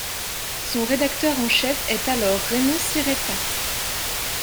Son rédacteur en chef est alors Raymond Sirretta.